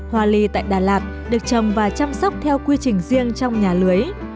hoa ly tại đà lạt được trồng và chăm sóc theo quy trình riêng trong nhà lưới